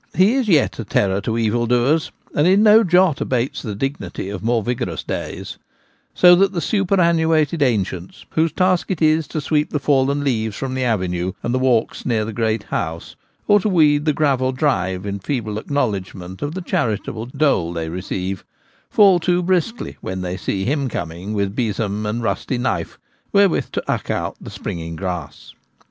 He is yet a terror to evil doers, and in no jot abates the dignity of more vigorous days ; so that the superannuated ancients whose task it is to sweep the fallen leaves from the avenue and the walks near the great house, or to weed the gravel drive in feeble acknowledgment of the charitable dole they receive, fall to briskly when they see him coming with besom and rusty knife wherewith to ' uck ' out the springing grass.